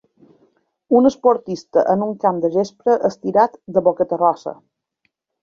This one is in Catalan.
Un esportista en un camp de gespa estirat de bocaterrosa.